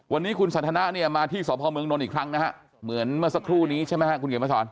วันนี้คุณสันทนะเนี่ยมาที่สพเมืองนนท์อีกครั้งนะฮะเหมือนเมื่อสักครู่นี้ใช่ไหมครับคุณเขียนมาสอน